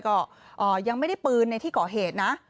ก็ยังไม่ได้ปืนในที่ก่อเหตุนะ